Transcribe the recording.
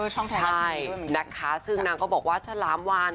ใช่นะคะซึ่งนางก็บอกว่าฉลามวาน